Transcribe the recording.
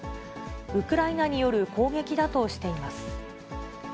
ウクライナによる攻撃だとしています。